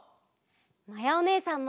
まやおねえさんも！